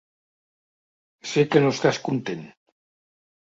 Sé que no estàs content.